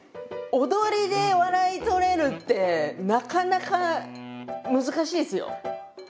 踊りで笑い取れるってなかなか難しいですよ。